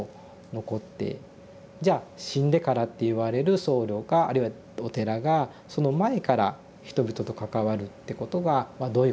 じゃあ「死んでから」って言われる僧侶があるいはお寺がその前から人々と関わるってことがどういうことなのか。